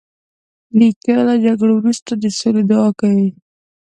نیکه له جګړو وروسته د سولې دعا کوي.